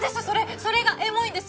それがエモいんです。